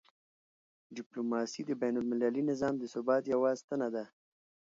ډیپلوماسي د بینالمللي نظام د ثبات یوه ستنه ده.